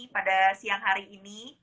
pada siang hari ini